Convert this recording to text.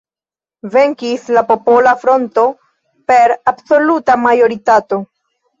Venkis la Popola Fronto per absoluta majoritato.